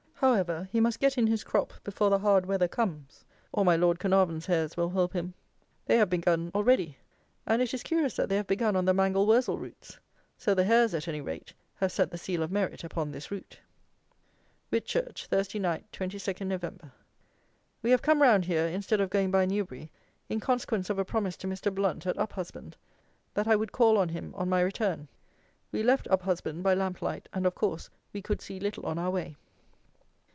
However, he must get in his crop before the hard weather comes; or my Lord Caernarvon's hares will help him. They have begun already; and it is curious that they have begun on the mangel wurzel roots. So that hares, at any rate, have set the seal of merit upon this root. Whitchurch, Thursday (night), 22 Nov. We have come round here, instead of going by Newbury in consequence of a promise to Mr. BLOUNT at Uphusband, that I would call on him on my return. We left Uphusband by lamp light, and, of course, we could see little on our way.